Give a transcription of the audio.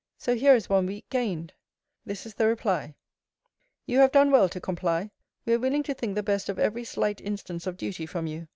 So here is one week gained! This is the reply: You have done well to comply. We are willing to think the best of every slight instance of duty from you.